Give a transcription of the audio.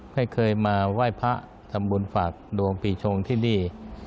ไม่เคยมาไหว้พระทำบุญฝากดวงปีชงที่นี่